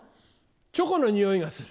チョコの匂いがする。